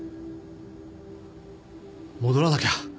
戻らなきゃ。